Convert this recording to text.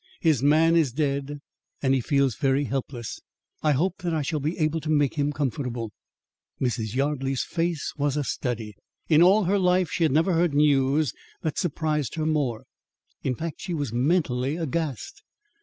His man is dead and he feels very helpless. I hope that I shall be able to make him comfortable." Mrs. Yardley's face was a study. In all her life she had never heard news that surprised her more. In fact, she was mentally aghast.